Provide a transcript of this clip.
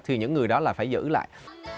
thì những người đó là phải giữ lại